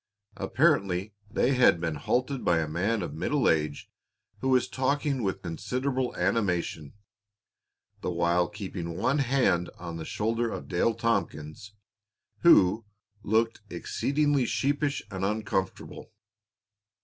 Apparently they had been halted by a man of middle age who was talking with considerable animation, the while keeping one hand on the shoulder of Dale Tompkins, who looked exceedingly sheepish and uncomfortable.